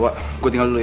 wak gue tinggal dulu ya